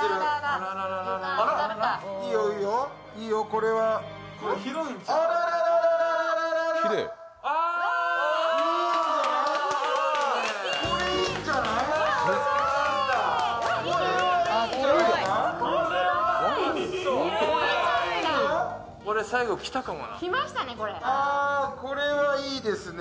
これはいいんじゃないですか？